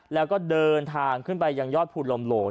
แล้วก็เดินทางขึ้นไปยังยอดภูลมโหล